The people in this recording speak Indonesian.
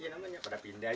si namanya pada pindah